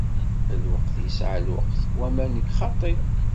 Lweqt yesɛa lweqt wamma nekk xaṭi.